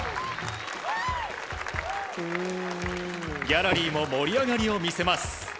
ギャラリーも盛り上がりを見せます。